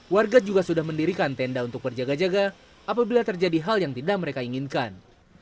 warga juga sudah mendirikan tenda untuk berjaga jaga apabila terjadi hal yang tidak mereka inginkan